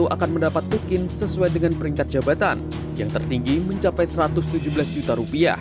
akan mendapat tukin sesuai dengan peringkat jabatan yang tertinggi mencapai rp satu ratus tujuh belas juta